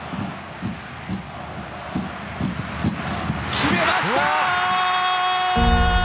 決めました！